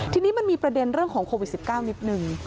ทีนี้มันมีประเด็นเรื่องของโควิด๑๙นิดนึง